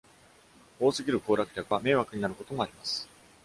多すぎる行楽客は迷惑になることもあります。